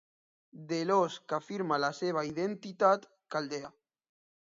De l'ós que afirma la seva identitat caldea.